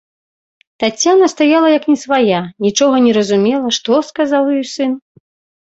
Таццяна стаяла як не свая, нічога не разумела, што сказаў ёй сын.